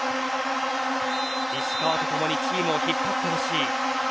石川とともにチームを引っ張ってほしい。